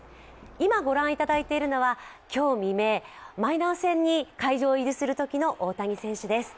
今、ご覧いただいているのは今日未明、マイナー戦に会場入りするときの大谷選手です。